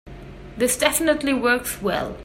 This definitely works well.